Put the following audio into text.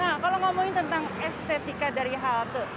nah kalau ngomongin tentang estetika dari halte